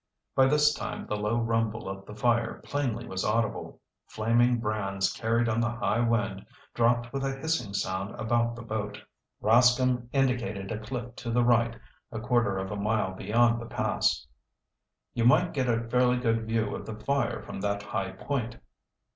By this time the low rumble of the fire plainly was audible. Flaming brands carried on the high wind, dropped with a hissing sound about the boat. Rascomb indicated a cliff to the right, a quarter of a mile beyond the pass. "You might get a fairly good view of the fire from that high point."